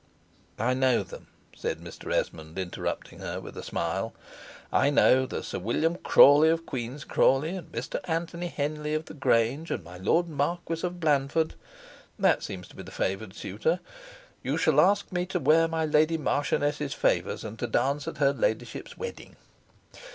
"I know them," said Mr. Esmond, interrupting her with a smile. "I know there's Sir Wilmot Crawley of Queen's Crawley, and Mr. Anthony Henley of the Grange, and my Lord Marquis of Blandford, that seems to be the favored suitor. You shall ask me to wear my Lady Marchioness's favors and to dance at her ladyship's wedding."